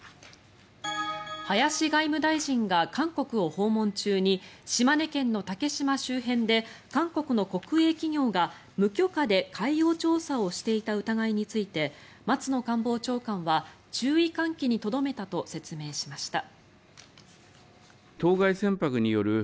林外務大臣が韓国を訪問中に島根県の竹島周辺で韓国の国営企業が無許可で海洋調査をしていた疑いについて松野官房長官は注意喚起にとどめたと説明しました。